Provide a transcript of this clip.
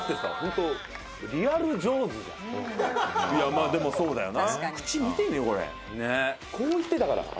いやまあでもそうだよな。